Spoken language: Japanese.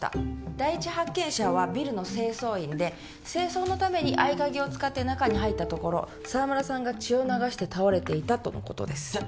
第一発見者はビルの清掃員で清掃のために合鍵を使って中に入ったところ沢村さんが血を流して倒れていたとのことですじゃ